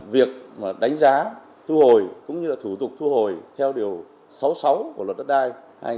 việc đánh giá thu hồi cũng như là thủ tục thu hồi theo điều sáu mươi sáu của luật đất đai hai nghìn hai mươi ba